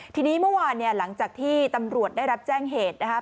ทีนี้เมื่อวานเนี่ยหลังจากที่ตำรวจได้รับแจ้งเหตุนะครับ